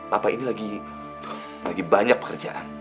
papa ini lagi banyak pekerjaan